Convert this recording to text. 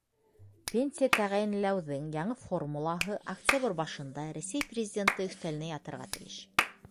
Пенсия тәғәйенләүҙең яңы формулаһы октябрь башында Рәсәй Президенты өҫтәленә ятырға тейеш.